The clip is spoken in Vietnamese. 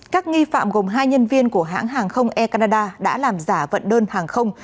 các nghi phạm gồm hai nhân viên của hãng hàng không air canada đã làm giả vận đơn hàng không